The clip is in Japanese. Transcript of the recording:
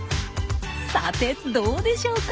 さてどうでしょうか？